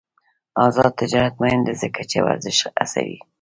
آزاد تجارت مهم دی ځکه چې ورزش هڅوي.